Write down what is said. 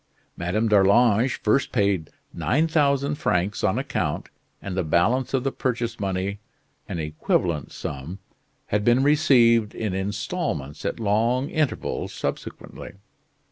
Madame d'Arlange first paid 9,000 francs on account and the balance of the purchase money (an equivalent sum) had been received in instalments at long intervals subsequently.